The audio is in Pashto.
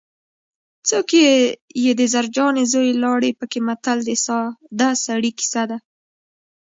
څوک یې د زرجانې زوی لاړې پکې متل د ساده سړي کیسه ده